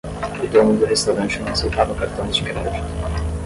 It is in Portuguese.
O dono do restaurante não aceitava cartões de crédito.